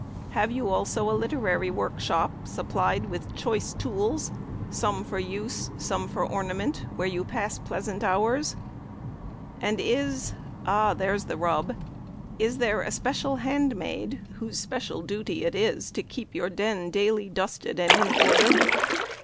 Have you also a literary workshop, supplied with choice tools, some for use, some for ornament, where you pass pleasant hours? and is ah! there's the rub! is there a special hand maid, whose special duty it is to keep your den daily dusted and in order?